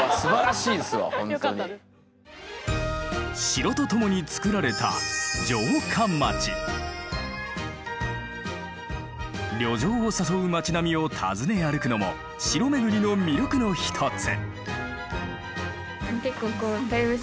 城とともにつくられた旅情を誘う町並みを訪ね歩くのも城巡りの魅力の一つ。